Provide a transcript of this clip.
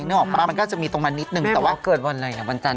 หนูไม่ได้เกิดวันจาน